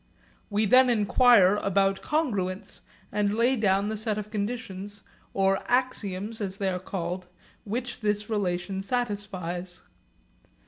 We then enquire about congruence and lay down the set of conditions or axioms as they are called which this relation satisfies.